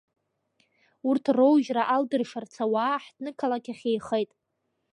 Урҭ роужьра алдыршарц, ауаа аҳҭны-қалақь ахь еихеит.